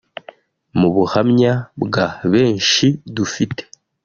Mu buhamya bwa benshi dufite